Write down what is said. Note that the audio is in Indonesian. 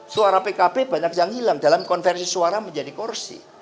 suara pkb banyak yang hilang dalam konversi suara menjadi kursi